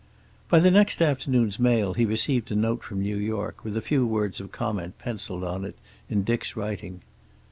By the next afternoon's mail he received a note from New York, with a few words of comment penciled on it in Dick's writing.